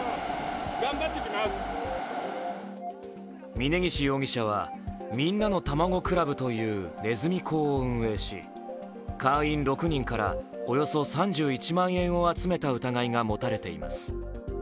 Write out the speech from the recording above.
峯岸容疑者は、みんなのたまご倶楽部というねずみ講を運営し会員６人からおよそ３１万円を集めた疑いが持たれています。